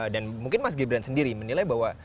dan mungkin mas gibran sendiri menilai bahwa